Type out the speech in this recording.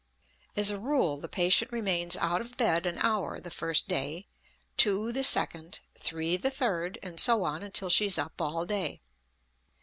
As a rule, the patient remains out of bed an hour the first day, two the second, three the third, and so on until she is up all day.